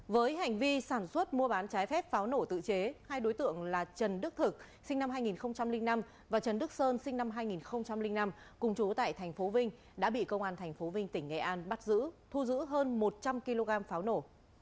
với hành vi sản xuất mua bán trái phép pháo nổ tự chế hai đối tượng là trần đức thực sinh năm hai nghìn năm và trần đức sơn sinh năm hai nghìn năm cùng chú tại tp vinh đã bị công an tp vinh tỉnh nghệ an bắt giữ thu giữ hơn một trăm linh kg pháo nổ